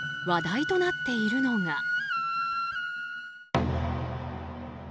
話題となっているのが。